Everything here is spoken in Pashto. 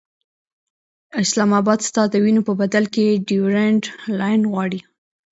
اسلام اباد ستا د وینو په بدل کې ډیورنډ لاین غواړي.